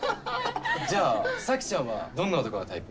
じゃあ咲ちゃんはどんな男がタイプ？